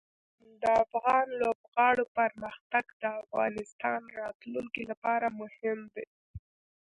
د افغان لوبغاړو پرمختګ د افغانستان راتلونکې لپاره مهم دی.